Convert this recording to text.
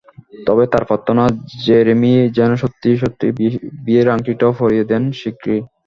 তবে তাঁর প্রার্থনা, জেরেমি যেন সত্যি সত্যিই বিয়ের আংটিটাও পরিয়ে দেন শিগগিরই।